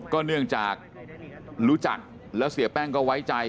เนื่องจากรู้จักแล้วเสียแป้งก็ไว้ใจ